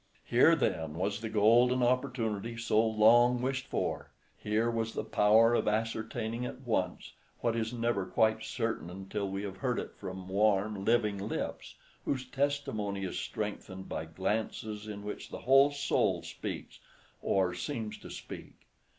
Here, then, was the golden opportunity so long wished for! Here was the power of ascertaining at once what is never quite certain until we have heard it from warm, living lips, whose testimony is strengthened by glances in which the whole soul speaks or—seems to speak.